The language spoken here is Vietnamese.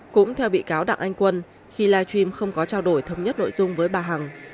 cũng theo bị cáo đặng anh quân khi live stream không có trao đổi thống nhất nội dung với bà hằng